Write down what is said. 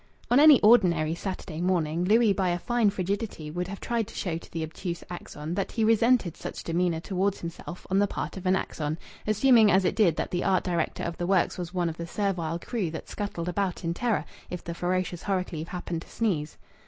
On any ordinary Saturday morning Louis by a fine frigidity would have tried to show to the obtuse Axon that he resented such demeanour towards himself on the part of an Axon, assuming as it did that the art director of the works was one of the servile crew that scuttled about in terror if the ferocious Horrocleave happened to sneeze.